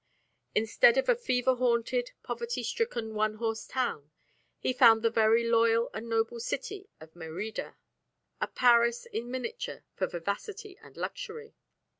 Instead of a fever haunted, poverty stricken, one horse town, he found the "very loyal and noble city" of Merida, a Paris in miniature for vivacity and luxury.